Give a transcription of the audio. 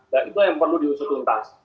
dan itulah yang perlu diusutuntas